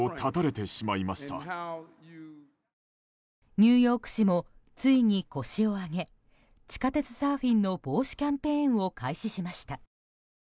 ニューヨーク市もついに腰を上げ地下鉄サーフィンの防止キャンペーンを開始しました。